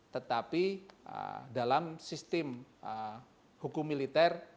tetapi dalam sistem hukum militer